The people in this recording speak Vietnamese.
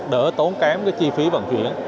đỡ tốn kém chi phí bằng chuyển